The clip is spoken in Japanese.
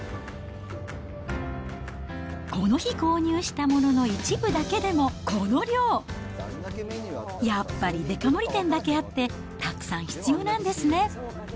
この日購入したものの一部だけでも、この量。やっぱりデカ盛り店だけあって、たくさん必要なんですね。